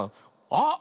あっ！